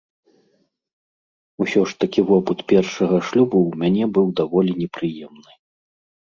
Усё ж такі вопыт першага шлюбу ў мяне быў даволі непрыемны.